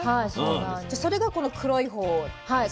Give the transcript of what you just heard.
じゃそれがこの黒い方。